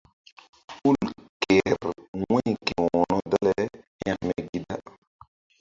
Hul kehr wu̧y ke wo̧ro dale hekme gi da.